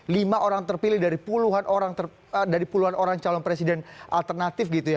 lima orang terpilih dari puluhan orang calon presiden alternatif gitu ya